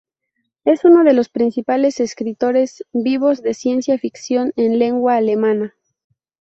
Es uno de los principales escritores vivos de ciencia ficción en lengua alemana.